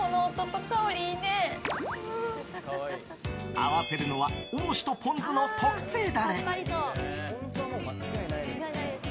合わせるのはおろしとポン酢の特製ダレ。